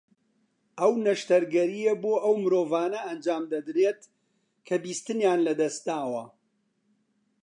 ئەو نەشتەرگەرییە بۆ ئەو مرۆڤانە ئەنجامدەدرێت کە بیستنیان لە دەست داوە